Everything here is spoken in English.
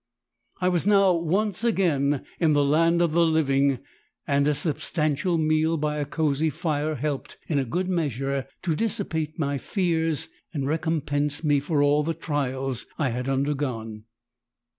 I was now, once again, in the land of the living, and a substantial meal by a cosy fire helped, in a good measure, to dissipate my fears and recompense me for all the trials I had undergone.